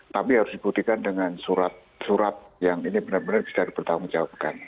tapi harus dibuktikan dengan surat surat yang ini benar benar bisa dipertanggungjawabkan